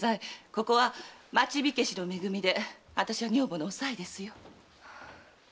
ここは町火消しのめ組で私は女房の“さい”ですよ。